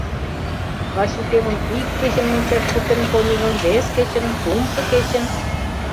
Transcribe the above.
Васюкемым ик кечын мончаш пуртен поньыжым, вес кечын, кумшо кечын...